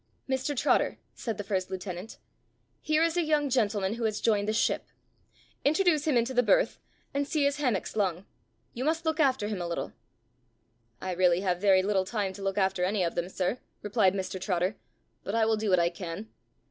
"Mr Trotter," said the first lieutenant, "here is a young gentleman who has joined the ship. Introduce him into the berth, and see his hammock slung. You must look after him a little." "I really have very little time to look after any of them, sir," replied Mr Trotter, "but I will do what I can.